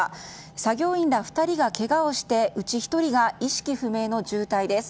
作業員ら２人がけがをしてうち１人が意識不明の重体です。